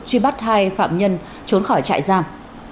truy bắt hai phạm nhân trốn khỏi trại giam